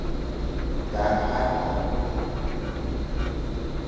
در هر حال